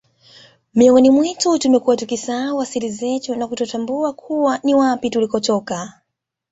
Miongoni mwetu tumekuwa tukisahau asili zetu na kutotambua kuwa ni wapi tulipotoka